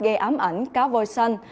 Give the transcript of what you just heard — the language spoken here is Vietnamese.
gây ám ảnh cá vôi xanh